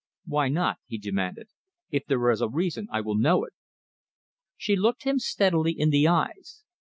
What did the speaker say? "Why not?" he demanded. "If there is a reason I will know it." She looked him steadily in the eyes.